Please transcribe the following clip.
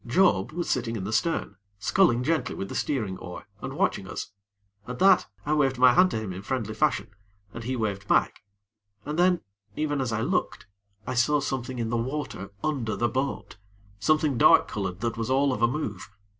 Job was sitting in the stern, sculling gently with the steering oar and watching us. At that, I waved my hand to him in friendly fashion, and he waved back, and then, even as I looked, I saw something in the water under the boat something dark colored that was all of a move.